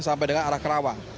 sampai dengan arah kerawang